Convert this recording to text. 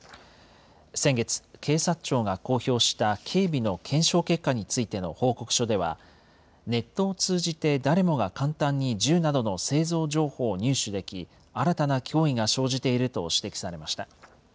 先月、警察庁が公表した警備の検証結果についての報告書では、ネットを通じて誰もが簡単に銃などの製造情報を入手でき、新たな脅威が生じていると指摘されました。